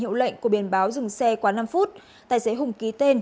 hiệu lệnh của biển báo dừng xe quá năm phút tài xế hùng ký tên